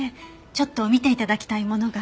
ちょっと見て頂きたいものが。